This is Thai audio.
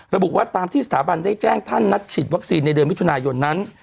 ระบุว่าตามที่สถาบันได้แจ้งท่านนัดฉีดวัคซีนในเดือนมิถุนายนนั้น